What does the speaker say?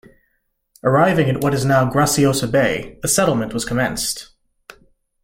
Arriving at what is now Graciosa Bay, a settlement was commenced.